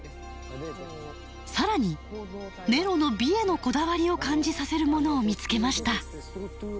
更にネロの美へのこだわりを感じさせるものを見つけました。